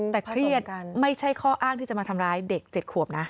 แต่เครียดไม่ใช่ข้ออ้างที่จะมาทำร้ายเด็ก๗ขวบนะ